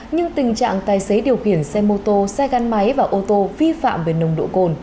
nhưng tình trạng tài xế điều khiển xe mô tô xe gắn máy và ô tô vi phạm về nồng độ cồn